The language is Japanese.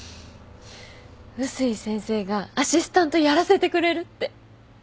碓井先生がアシスタントやらせてくれるって。